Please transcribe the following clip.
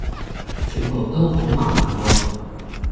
全部都好麻煩喎